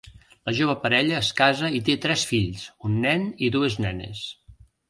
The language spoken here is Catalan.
La jove parella es casa i té tres fills, un nen i dues nenes.